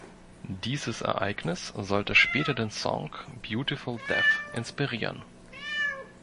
Dieses Ereignis sollte später den Song "Beautiful Death" inspirieren.